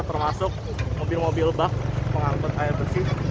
termasuk mobil mobil bak pengangkut air bersih